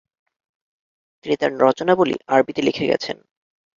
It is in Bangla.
তিনি তার রচনাবলি আরবিতে লিখে গেছেন।